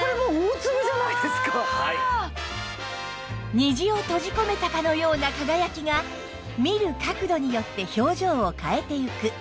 虹を閉じ込めたかのような輝きが見る角度によって表情を変えていく